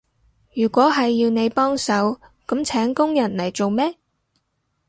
如果係要你幫手，噉請工人嚟做咩？